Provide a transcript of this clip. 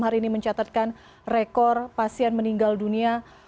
hari ini mencatatkan rekor pasien meninggal dunia